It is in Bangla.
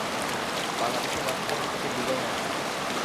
বাংলাদেশের রাষ্ট্রীয় প্রতীকের ডিজাইনার কে?